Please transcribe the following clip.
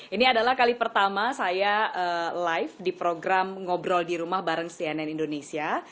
ini adalah kali pertama saya live di program ngobrol dirumah bareng sianen indonesia